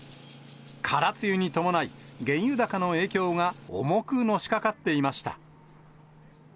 空梅雨に伴い、原油高の影響が重くのしかかっていました。